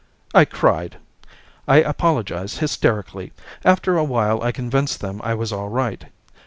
I cried. I apologized hysterically. After a while, I convinced them I was all right.